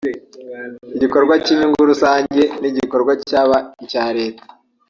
Igikorwa cy’inyungu rusange ni igikorwa cyaba icya Leta